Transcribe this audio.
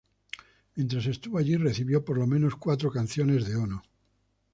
Mientras estuvo allí, recibió por lo menos cuatro canciones de Ono.